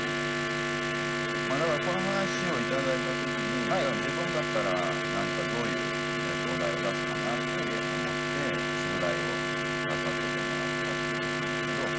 だからこの話を頂いた時にじゃあ自分だったら何かどういうお題を出すかなって思って宿題を出させてもらったっていうことなんですけど。